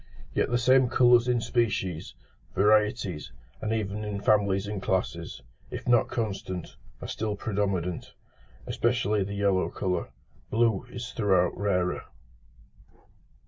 Yet the same colours in species, varieties, and even in families and classes, if not constant, are still predominant, especially the yellow colour: blue is throughout rarer.